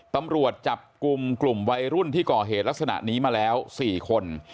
ตำรวจจับกลุ่มกลุ่มวัยรุ่นที่ก่อเหตุลักษณะนี้มาแล้ว๔คน